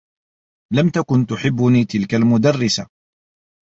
لم تكن تحبّني تلك المدرّسة.